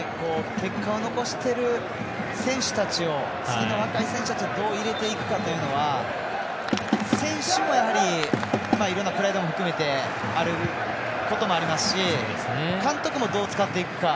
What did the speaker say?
結果を残してる選手たちを次の若い選手たちをどう入れていくかっていうのは選手も、やはりいろんなプライドも含めてあることもありますし監督もどう使っていくか。